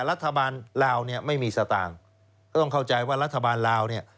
ลาวเนี่ยไม่มีสตางค์ก็ต้องเข้าใจว่ารัฐบาลลาวเนี่ย